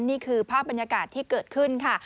นี่คือภาพบรรยากาศที่เกิดขึ้นค่ะ